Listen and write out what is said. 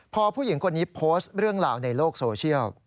พอผู้หญิงคนนี้โพสต์เรื่องราวในโลกโซเชียล